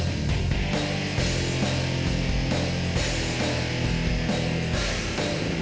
tuh apa halnya si aba ternyata